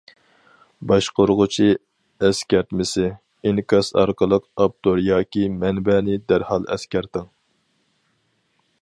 باشقۇرغۇچى ئەسكەرتمىسى: ئىنكاس ئارقىلىق ئاپتور ياكى مەنبەنى دەرھال ئەسكەرتىڭ!